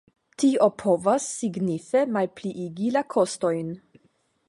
Tio povas signife malpliigi la kostojn.